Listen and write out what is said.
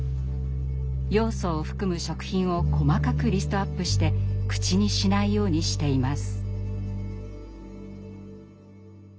ヨウ素を含む食品を細かくリストアップして口にしないようにしています。